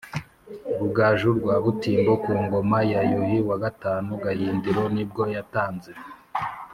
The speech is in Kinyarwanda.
Rugaju rwa Butimbo ku ngoma ya Yuhi wa gatanu Gahindiro nibwo yatanze